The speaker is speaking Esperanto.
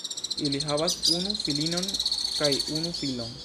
Ili havas unu filinon kaj unu filon.